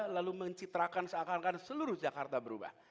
lalu mencitrakan seakan akan seluruh jakarta berubah